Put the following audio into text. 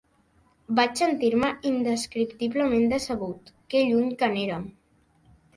Vaig sentir-me indescriptiblement decebut. Que lluny que n'érem